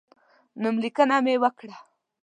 نوملیکنه مې وکړه.